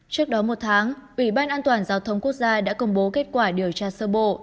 trước đó một tháng ủy ban an toàn giao thông quốc gia đã công bố kết quả điều tra sơ bộ